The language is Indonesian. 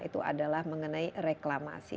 itu adalah mengenai reklamasi